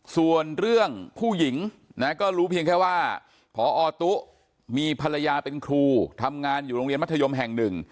ส่วนเรื่องผู้หญิงนะก็รู้เพียงแค่ว่าพอตุ๊มีภรรยาเป็นครูทำงานอยู่โรงเรียนมัธยมแห่งหนึ่ง